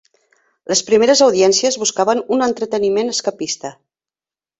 Les primeres audiències buscaven un entreteniment escapista.